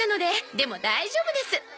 でも大丈夫です。